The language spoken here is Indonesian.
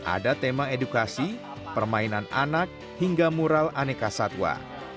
ada tema edukasi permainan anak hingga mural aneka satwa